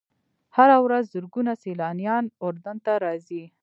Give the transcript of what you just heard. هره ورځ زرګونه سیلانیان اردن ته راځي.